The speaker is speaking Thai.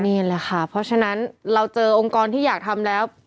นี่แหละค่ะเพราะฉะนั้นเราเจอองค์กรที่อยากทำแล้ว